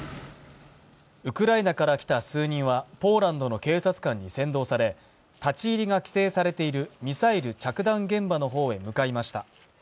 ウクライナから来た数人はポーランドの警察官に先導され立ち入りが規制されているミサイル着弾現場の方へ向かいました。